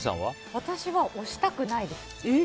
私は押したくないです。